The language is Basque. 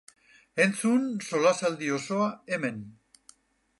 Entzun solasaldi osoa hemen!